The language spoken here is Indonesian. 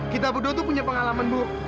kita berdua tuh punya pengalaman bu